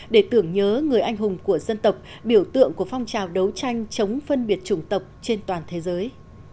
để tưởng nhớ người anh hùng của dân tộc biểu tượng của phong trào đấu tranh chống phân biệt chủng tộc trên toàn thế giới